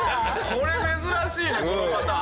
これ珍しいねこのパターン。